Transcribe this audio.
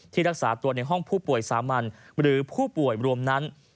รักษาตัวในห้องผู้ป่วยสามัญหรือผู้ป่วยรวมนั้น